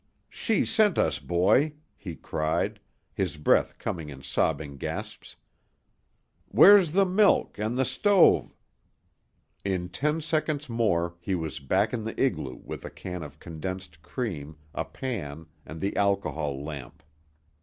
"She sent us, boy," he cried, his breath coming in sobbing gasps. "Where's the milk 'n' the stove " In ten seconds more he was back in the igloo with a can of condensed cream, a pan, and the alcohol lamp.